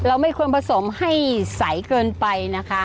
ไม่ควรผสมให้ใสเกินไปนะคะ